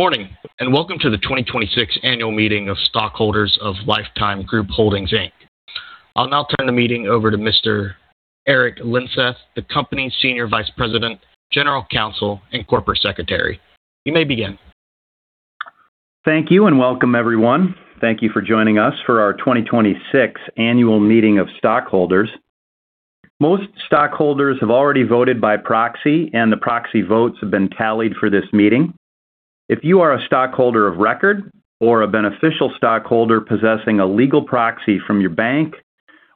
Good morning, and welcome to the 2026 annual meeting of stockholders of Life Time Group Holdings, Inc. I'll now turn the meeting over to Mr. Erik Lindseth, the Company's Senior Vice President, General Counsel, and Corporate Secretary. You may begin. Thank you and welcome everyone. Thank you for joining us for our 2026 annual meeting of stockholders. Most stockholders have already voted by proxy, and the proxy votes have been tallied for this meeting. If you are a stockholder of record or a beneficial stockholder possessing a legal proxy from your bank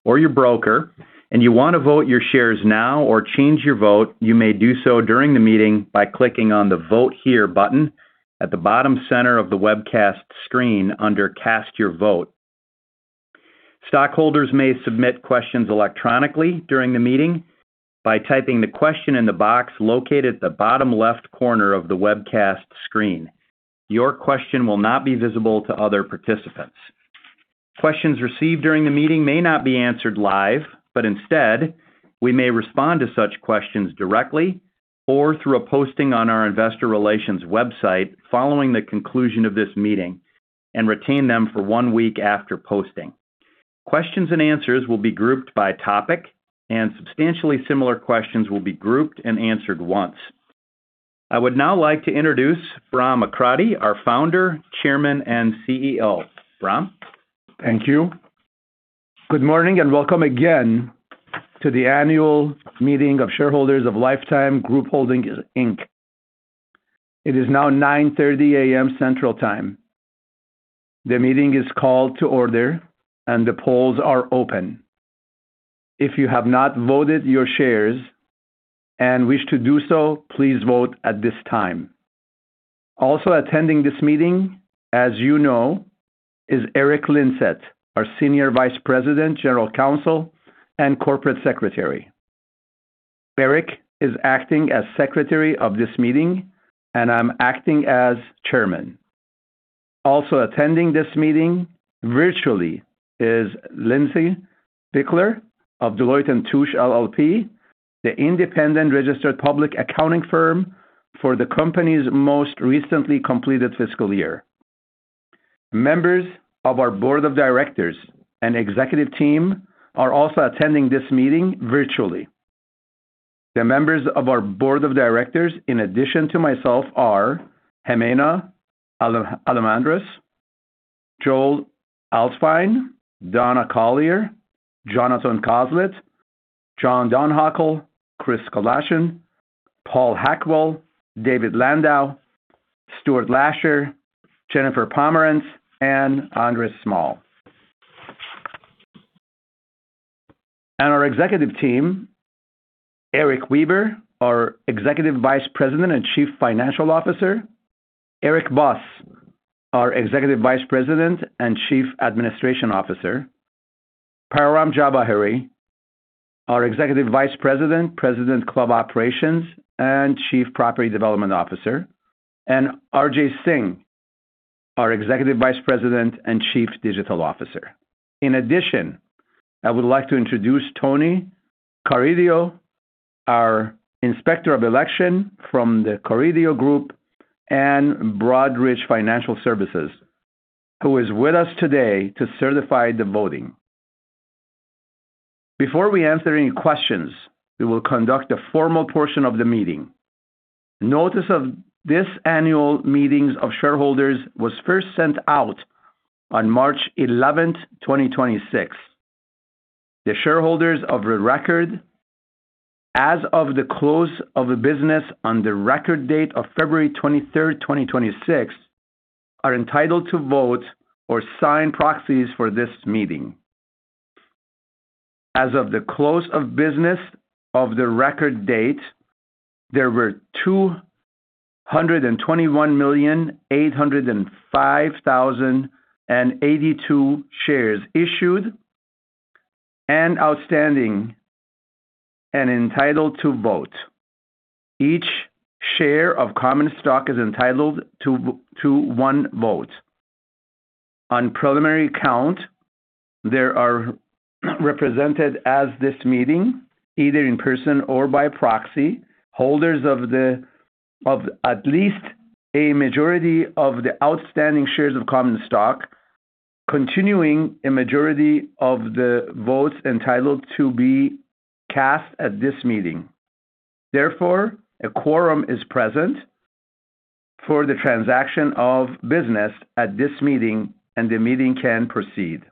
or your broker, and you want to vote your shares now or change your vote, you may do so during the meeting by clicking on the Vote Here button at the bottom center of the webcast screen under Cast Your Vote. Stockholders may submit questions electronically during the meeting by typing the question in the box located at the bottom left corner of the webcast screen. Your question will not be visible to other participants. Questions received during the meeting may not be answered live, but instead we may respond to such questions directly or through a posting on our investor relations website following the conclusion of this meeting and retain them for one week after posting. Questions and answers will be grouped by topic, and substantially similar questions will be grouped and answered once. I would now like to introduce Bahram Akradi, our Founder, Chairman, and CEO. Bahram? Thank you. Good morning and welcome again to the annual meeting of shareholders of Life Time Group Holdings, Inc. It is now 9:30 A.M. Central Time. The meeting is called to order and the polls are open. If you have not voted your shares and wish to do so please vote at this time. Also attending this meeting, as you know, is Erik Lindseth, our Senior Vice President, General Counsel, and Corporate Secretary. Erik is acting as secretary of this meeting, and I'm acting as chairman. Also attending this meeting virtually is Lindsay Pickler of Deloitte & Touche LLP, the independent registered public accounting firm for the company's most recently completed fiscal year. Members of our board of directors and executive team are also attending this meeting virtually. The members of our board of directors in addition to myself are Jimena Almendares, Joel Alsfine, Donna Coallier, Jonathan Coslet, John Heinbockel, J. Kristofer Galashan, Paul Hackwell, David Landau, Stuart Lasher, Jennifer Pomerantz, and Andres Small. Our executive team, Erik Weaver, our Executive Vice President and Chief Financial Officer. Eric Voss, our Executive Vice President and Chief Administration Officer. Parham Javaheri, our Executive Vice President of Club Operations and Chief Property Development Officer, and RJ Singh, our Executive Vice President and Chief Digital Officer. In addition, I would like to introduce Tony Carideo, our Inspector of Election from The Carideo Group and Broadridge Financial Solutions, who is with us today to certify the voting. Before we answer any questions, we will conduct a formal portion of the meeting. Notice of this annual meeting of shareholders was first sent out on March 11th, 2026. The shareholders of record as of the close of business on the record date of February 23rd, 2026 are entitled to vote or sign proxies for this meeting. As of the close of business on the record date, there were 221,805,082 shares issued and outstanding and entitled to vote. Each share of common stock is entitled to one vote. On preliminary count, there are represented at this meeting, either in person or by proxy, holders of at least a majority of the outstanding shares of common stock, constituting a majority of the votes entitled to be cast at this meeting. Therefore, a quorum is present for the transaction of business at this meeting, and the meeting can proceed.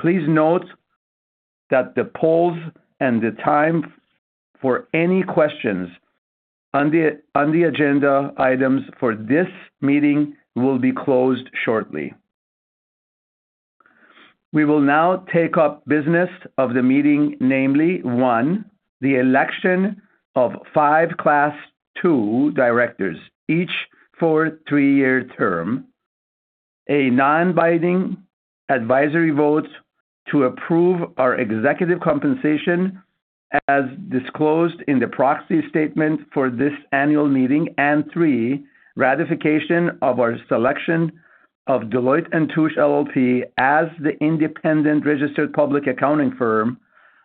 Please note that the polls and the time for any questions on the agenda items for this meeting will be closed shortly. We will now take up business of the meeting, namely one the election of five Class II directors, each for a three-year term, a non-binding advisory vote to approve our executive compensation as disclosed in the proxy statement for this annual meeting, and three, ratification of our selection of Deloitte & Touche LLP as the independent registered public accounting firm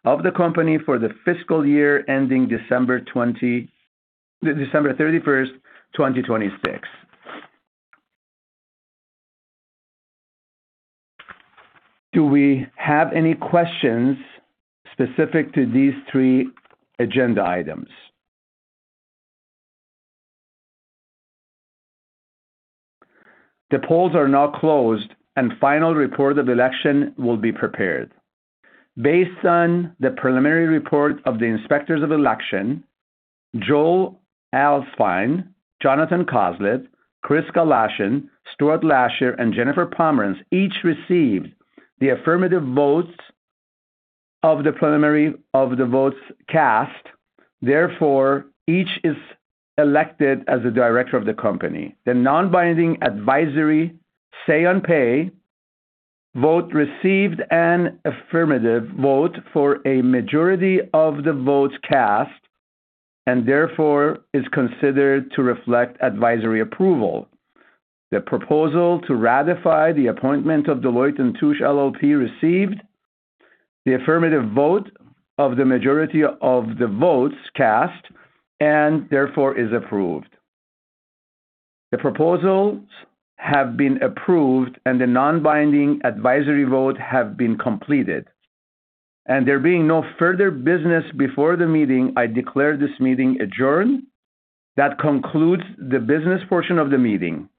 of the company for the fiscal year ending December 31st, 2026. Do we have any questions specific to these three agenda items? The polls are now closed, and final report of election will be prepared. Based on the preliminary report of the inspectors of election, Joel Alsfine, Jonathan Coslet, Kris Galashan, Stuart Lasher, and Jennifer Pomerantz each received the affirmative votes of the votes cast. Therefore, each is elected as a director of the company. The non-binding advisory say on pay vote received an affirmative vote for a majority of the votes cast and therefore is considered to reflect advisory approval. The proposal to ratify the appointment of Deloitte & Touche LLP received the affirmative vote of the majority of the votes cast and therefore is approved. The proposals have been approved and the non-binding advisory vote have been completed. There being no further business before the meeting, I declare this meeting adjourned. That concludes the business portion of the meeting.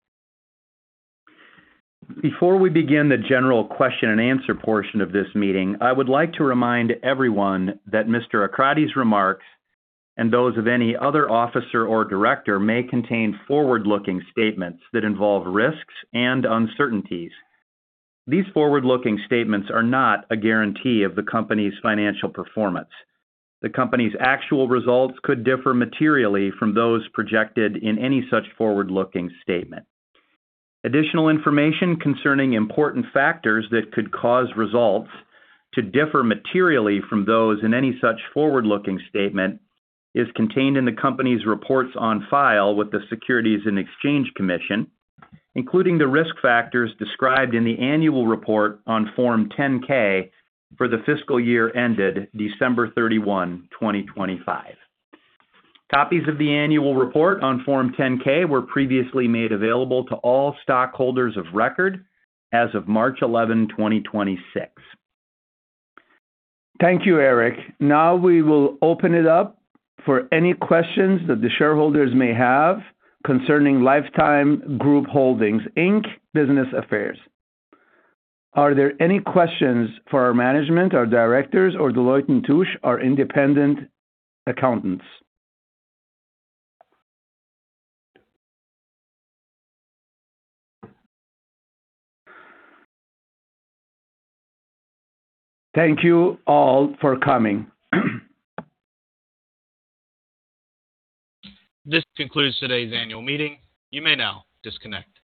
Before we begin the general question and answer portion of this meeting, I would like to remind everyone that Mr. Akradi's remarks, and those of any other officer or director, may contain forward-looking statements that involve risks and uncertainties. These forward-looking statements are not a guarantee of the company's financial performance. The company's actual results could differ materially from those projected in any such forward-looking statement. Additional information concerning important factors that could cause results to differ materially from those in any such forward-looking statement is contained in the company's reports on file with the Securities and Exchange Commission, including the risk factors described in the annual report on Form 10-K for the fiscal year ended December 31, 2025. Copies of the annual report on Form 10-K were previously made available to all stockholders of record as of March 11, 2026. Thank you, Erik. Now we will open it up for any questions that the shareholders may have concerning Life Time Group Holdings, Inc business affairs. Are there any questions for our management, our directors, or Deloitte & Touche, our independent accountants? Thank you all for coming. This concludes today's annual meeting. You may now disconnect.